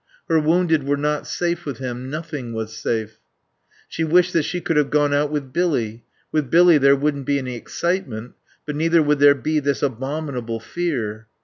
Her wounded were not safe with him. Nothing was safe. She wished that she could have gone out with Billy; with Billy there wouldn't be any excitement, but neither would there be this abominable fear.